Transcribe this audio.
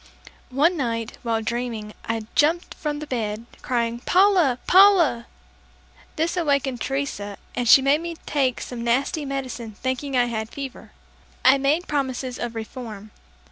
One night, while dreaming, I jumped from the bed, crying, "Paula! Paula!" This awakened Teresa, and she made me take some nasty medicine thinking I had fever. I made promises of reform.